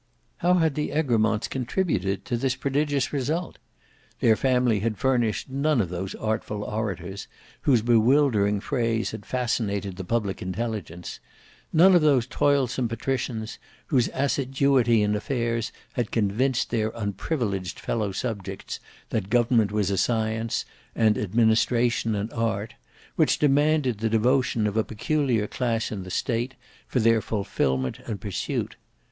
How had the Egremonts contributed to this prodigious result? Their family had furnished none of those artful orators whose bewildering phrase had fascinated the public intelligence; none of those toilsome patricians whose assiduity in affairs had convinced their unprivileged fellow subjects that government was a science, and administration an art, which demanded the devotion of a peculiar class in the state for their fulfilment and pursuit.